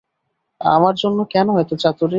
আমার জন্য কেন এত চাতুরী।